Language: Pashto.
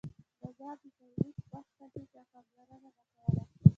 بازار د تولید وخت ته هیڅ پاملرنه نه کوله.